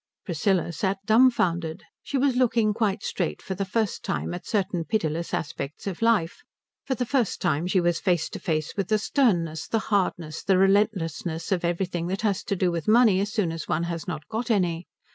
Priscilla sat dumfoundered. She was looking quite straight for the first time at certain pitiless aspects of life. For the first time she was face to face with the sternness, the hardness, the relentlessness of everything that has to do with money so soon as one has not got any.